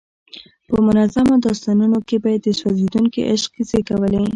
په منظومو داستانونو کې به یې د سوځېدونکي عشق کیسې کولې.